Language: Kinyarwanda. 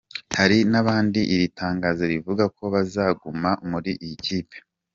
Hari n’abandi iri tangazo rivuga ko bazaguma muri iyi kipe.